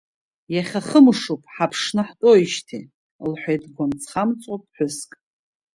Иахьа хымшуп ҳаԥшны ҳтәоуижьҭеи, — лҳәеит дгәамҵхамҵуа ԥҳәыск.